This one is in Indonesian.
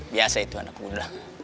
biasa itu anak muda